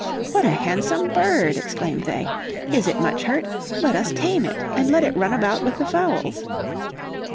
"What a handsome bird!" exclaimed they. "Is it much hurt? Let us tame it and let it run about with the fowls."